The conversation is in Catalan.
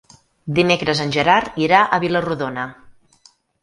Dimecres en Gerard irà a Vila-rodona.